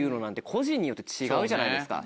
個人によって違うじゃないですか。